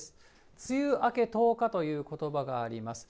梅雨明け１０日ということばがあります。